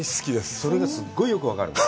それがすごいよく分かる。